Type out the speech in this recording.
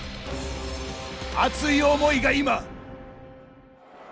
熱い思いが今。